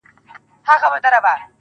علم د انسان ښکلا ده.